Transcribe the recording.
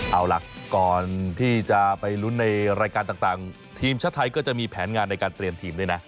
เอาล่ะก่อนที่จะไปลุ้นในรายการต่างทีมชาติไทยก็จะมีแผนงานในการเตรียมทีมด้วยนะ